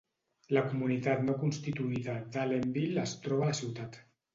La comunitat no constituïda d'Allenville es troba a la ciutat.